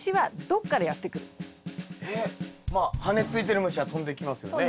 まあ羽ついてる虫は飛んできますよね？